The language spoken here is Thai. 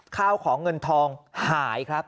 ข้าวของเงินทองหายครับ